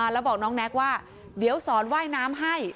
แล้วบอกน้องแน็กว่าเดี๋ยวสอนว่ายน้ำให้